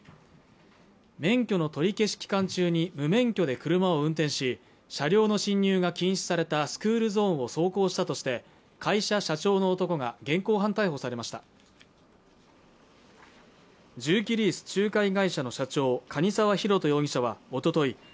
免許の取り消し期間中に無免許で車を運転し車両の進入が禁止されたスクールゾーンを走行したとして会社社長の男が現行犯逮捕されました重機リース仲介会社の社長蟹沢寛人容疑者はおととい